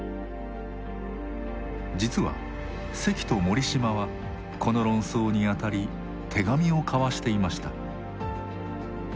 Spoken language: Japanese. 実は関と森嶋はこの論争にあたり手紙を交わしていました。